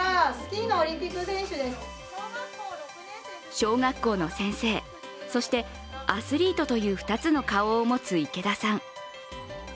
小学校の先生、そしてアスリートという２つの顔を持つ池田さん。